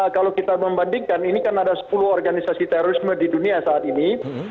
kalau kita membandingkan ini kan ada sepuluh organisasi terorisme di dunia saat ini